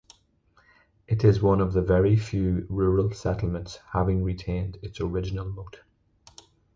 It is one of the very few rural settlements having retained its original moat.